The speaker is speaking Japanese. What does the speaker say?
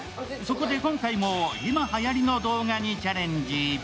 そこで今回も今はやりの動画にチャレンジ。